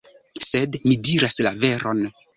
Sed mi diras la veron!